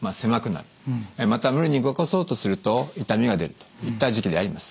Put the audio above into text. また無理に動かそうとすると痛みが出るといった時期であります。